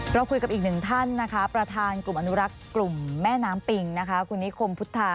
เราคุยกับอีกหนึ่งท่านนะคะประธานกลุ่มอนุรักษ์กลุ่มแม่น้ำปิงนะคะคุณนิคมพุทธา